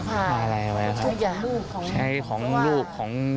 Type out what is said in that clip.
ถ้ายังค่ะ